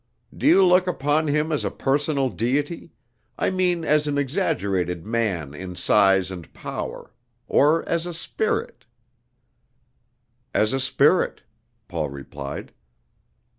"Do you look upon him as a personal Deity I mean as an exaggerated man in size and power or as a Spirit?" "As a Spirit," Paul replied.